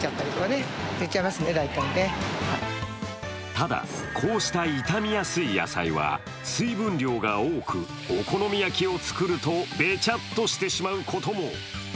ただ、こうした傷みやすい野菜は水分量が多くお好み焼きを作るとべちゃっとしてしまうことも。